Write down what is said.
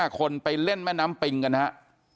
๕คนไปเล่นแม่น้ำปิงกันนะฮะ